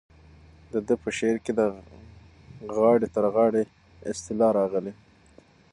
د ده په شعر کې د غاړې تر غاړې اصطلاح راغلې.